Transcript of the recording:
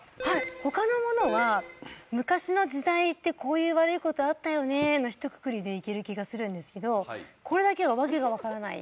他のものは昔の時代ってこういう悪い事あったよねのひとくくりでいける気がするんですけどこれだけは訳がわからない。